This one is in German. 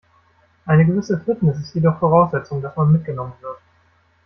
Eine gewisse Fitness ist jedoch Voraussetzung, dass man mitgenommen wird.